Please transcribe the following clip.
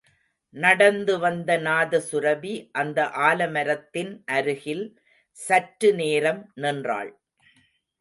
நடந்து வந்த நாதசுரபி அந்த ஆலமரத்தின் அருகில் சற்று நேரம் நின்றாள்.